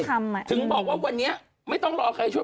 ทำไมถึงบอกว่าวันนี้ไม่ต้องรอใครช่วย